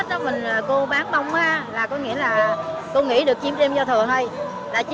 thấy chân là ngày thường cũng vậy mà thậm chí là tới tết đó cô bán bông là có nghĩa là cô nghĩ được chim chim do thừa thôi